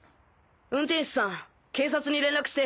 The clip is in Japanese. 運転手さん警察に連絡して！